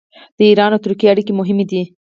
د ایران او ترکیې اړیکې مهمې دي.